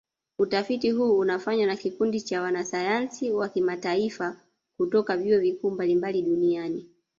Utafiti huu unafanywa na kikundi cha wanasayansi wa kimataifa kutoka vyuo vikuu mbalimbali duniani